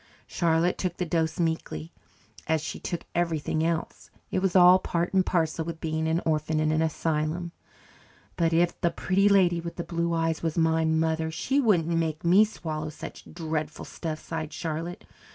Charlotte took the dose meekly, as she took everything else. It was all part and parcel with being an orphan in an asylum. "But if the Pretty Lady with the Blue Eyes was my mother, she wouldn't make me swallow such dreadful stuff," sighed Charlotte.